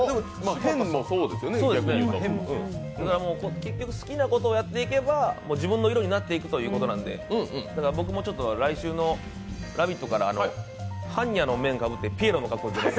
結局、好きなことをやっていけば自分の色になっていくということで僕も来週の「ラヴィット！」からはんにゃの面かぶって、ピエロの格好で出ます。